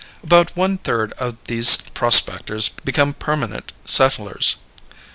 About one third of these prospectors become permanent settlers.